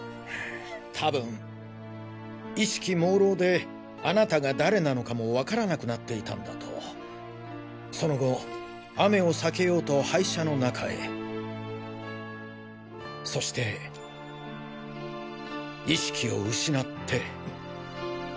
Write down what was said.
たぶん意識朦朧であなたが誰なのかもわからなくなっていたんだとその後雨を避けようと廃車の中へそして意識を失って。